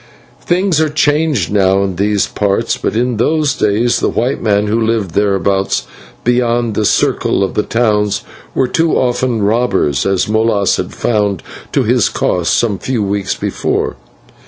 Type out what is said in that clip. Things are changed now in these parts, but in those days the white men who lived thereabouts beyond the circle of the towns were too often robbers, as Molas had found to his cost some few weeks before.